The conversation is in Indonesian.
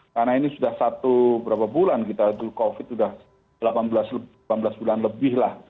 karena ini sudah satu berapa bulan kita covid sudah delapan belas bulan lebih lah